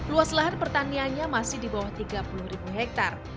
luas lahan pertaniannya masih di bawah tiga puluh hektar